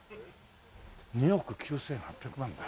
２億９８００万だ。